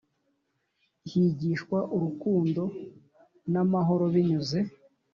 Higishwa urukundo n amahoro binyuze